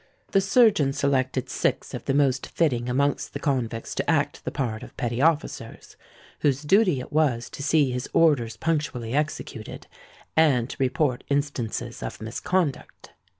"The surgeon selected six of the most fitting amongst the convicts to act the part of petty officers, whose duty it was to see his orders punctually executed, and to report instances of misconduct.